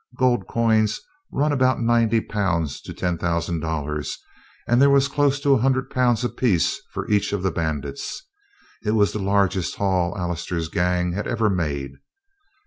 Gold coin runs about ninety pounds to ten thousand dollars, and there was close to a hundred pounds apiece for each of the bandits. It was the largest haul Allister's gang had ever made.